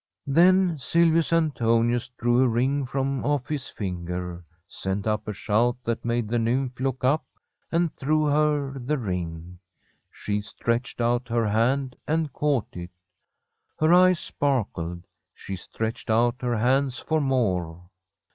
Then Silvius Antonius drew a ring from off his finger, sent up a shout that made the nymph look up, and threw her the ring. She stretched out her hand and caught it. Her eyes sparkled. She stretched out her hands for more.